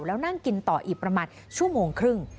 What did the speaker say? แล้วนั่งกินต่ออีกประมาณชั่วโมงครึ่ง